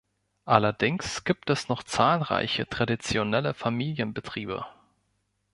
Allerdings gibt es noch zahlreiche traditionelle Familienbetriebe.